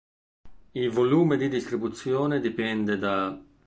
Il volume di distribuzione dipende da